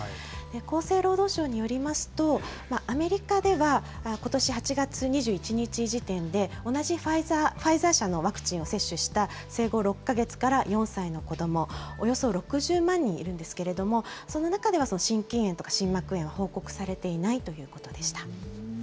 厚生労働省によりますと、アメリカではことし８月２１日時点で、同じファイザー社のワクチンを接種した生後６か月から４歳の子ども、およそ６０万人いるんですけれども、その中では心筋炎とか心膜炎は報告されていないということでした。